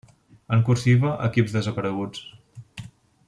En cursiva equips desapareguts.